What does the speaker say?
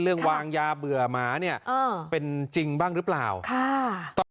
วางยาเบื่อหมาเนี่ยเป็นจริงบ้างหรือเปล่าค่ะตอน